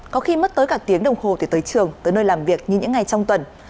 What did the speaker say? có khi mất tới cả tiếng đồng hồ thì tới trường tới nơi làm việc như những ngày trong tuần